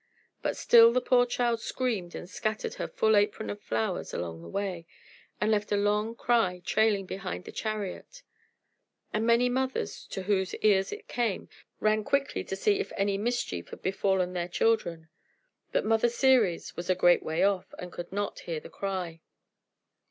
But still the poor child screamed and scattered her apron full of flowers along the way, and left a long cry trailing behind the chariot; and many mothers, to whose ears it came, ran quickly to see if any mischief had befallen their children. But Mother Ceres was a great way off, and could not hear the cry.